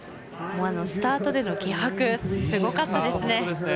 あのスタートでの気迫すごかったですね。